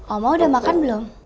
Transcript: oma udah makan belum